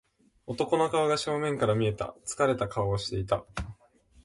男の顔が正面から見えた。疲れた顔をしていた。